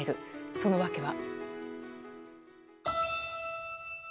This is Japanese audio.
その訳は。